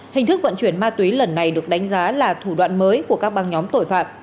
hình thức vận chuyển ma túy lần này được đánh giá là thủ đoạn mới của các băng nhóm tội phạm